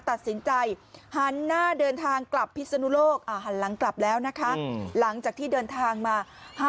ตัดสินใจหันหน้าเดินทางกลับพิศนุโลกหันหลังกลับแล้วนะคะหลังจากที่เดินทางมา